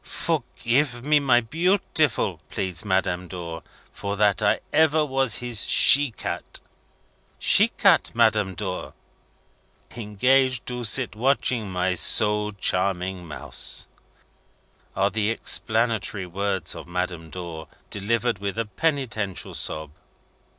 "Forgive me, my beautiful," pleads Madame Dor, "for that I ever was his she cat!" "She cat, Madame Dor? "Engaged to sit watching my so charming mouse," are the explanatory words of Madame Dor, delivered with a penitential sob.